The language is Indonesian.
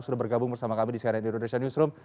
sudah bergabung bersama kami di cnn indonesia newsroom